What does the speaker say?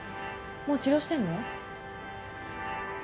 もう治療してんの？